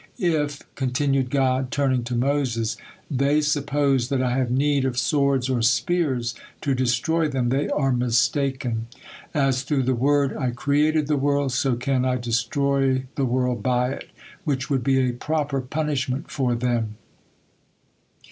"If," continued God, turning to Moses, "they suppose that I have need of swords or spears to destroy them, they are mistaken. As through the word I created the world, so can I destroy the world by it, which would be a proper punishment for them.